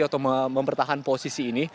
atau mempertahan posisi ini